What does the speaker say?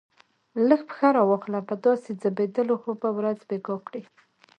لږ پښه را واخله، په داسې ځبېدلو خو به ورځ بېګا کړې.